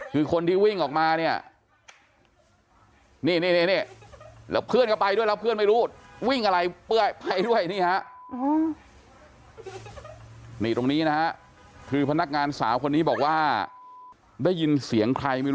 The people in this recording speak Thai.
คือคนที่วิ่งออกมาเนี่ย